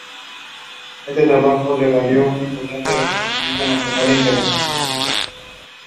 Este trabajo le valió un importante reconocimiento nacional e internacional.